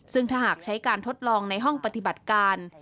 ซึ่งถ้าหากใช้การทดลองในห้องปฏิบัติการ